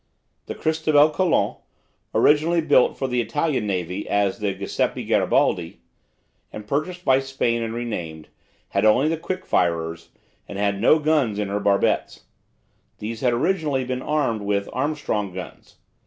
The "Cristobal Colon," originally built for the Italian Navy as the "Giuseppe Garibaldi," and purchased by Spain and renamed, had only the quick firers, and had no guns in her barbettes. These had originally been armed with Armstrong guns.